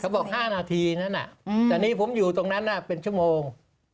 บอก๕นาทีนั้นแต่นี่ผมอยู่ตรงนั้นเป็นชั่วโมง